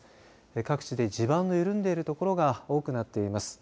各地で地盤の緩んでいるところが多くなっています。